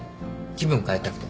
気分変えたくて。